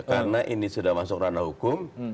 karena ini sudah masuk rana hukum